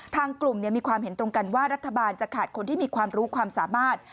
ทางกลุ่มมีความเห็นตรงกันว่ารัฐบาลจะขาดคนที่มีความรู้ความสามารถ